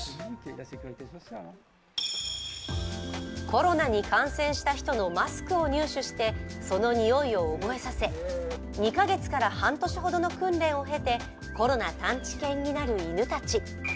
コロナに感染した人のマスクを入手してその思いを覚えさせ２か月から半年ほどの訓練を経てコロナ探知犬になる犬たち。